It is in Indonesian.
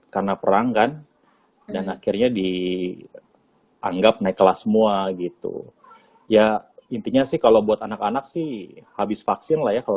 karena perang kan dan akhirnya dianggap naik kelas semua gitu ya intinya sih kalau buat anak anak sih